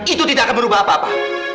itu tidak akan berubah apa apa